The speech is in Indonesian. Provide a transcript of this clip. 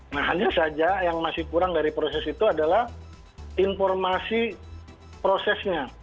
nah hanya saja yang masih kurang dari proses itu adalah informasi prosesnya